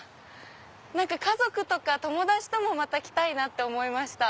何か家族とか友達ともまた来たいなって思いました。